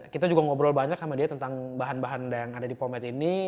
kita juga ngobrol banyak sama dia tentang bahan bahan yang ada di pomed ini